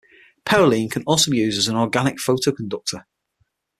Perylene can be also used as an organic photoconductor.